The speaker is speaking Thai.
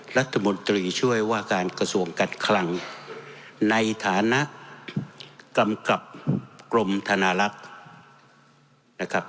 รัฐมนตรีช่วยว่าการกระทรวงการคลังในฐานะกำกับกรมธนาลักษณ์นะครับ